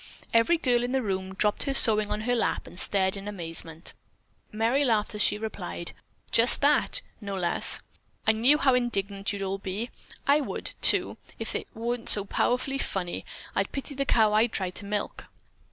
_" Every girl in the room dropped her sewing on her lap and stared her amazement. Merry laughed as she replied: "Just that, no less. I knew how indignant you'd all be. I would, too, if it weren't so powerfully funny. I'd pity the cow I'd try to milk."